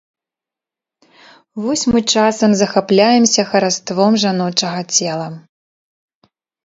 Вось мы часам захапляемся хараством жаночага цела.